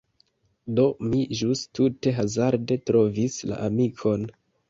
Do, mi ĵus tute hazarde trovis la amikon...